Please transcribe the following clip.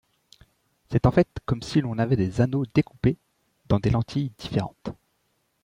C'est en fait comme si l'on avait des anneaux découpés dans des lentilles différentes.